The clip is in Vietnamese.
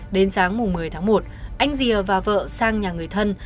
đến sáng một mươi tháng một anh rìa và vợ sang nhà người thân